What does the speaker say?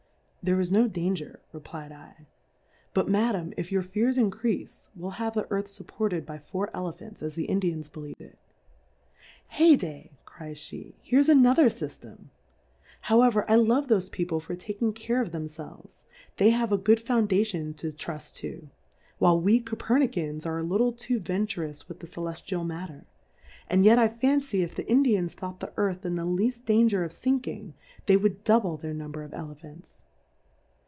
There is no Danger, refly'^dl^ but Madam, if your Fears increafe, we'll have the Earth fupported by four Ele phants, as the Indians believe it. Hey day, crysjhe^ here's another Syfl:em ; however . I love thofe People for taking care of themfelveS; they have a good Foundation to truft to, while we Co^ernicans are a little too venturous with the Celefl:ial Matter ; and yet I fancy if the Indians thought the Earth in the leafl: danger of finking, they would double their Number of Elephants. They Plurality ^/WORLDS.